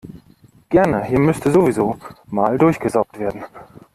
Gerne, hier müsste sowieso mal durchgesaugt werden.